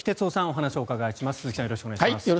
よろしくお願いします。